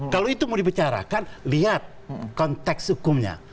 kalau itu mau dibicarakan lihat konteks hukumnya